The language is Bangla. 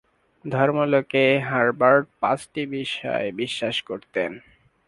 ধর্ম লোকে হারবার্ট পাঁচটি বিষয় বিশ্বাস করতেন